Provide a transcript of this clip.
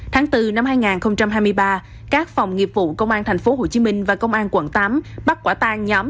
tháng bốn năm hai nghìn hai mươi ba các phòng nghiệp vụ công an tp hcm và công an quận tám bắt quả tang nhóm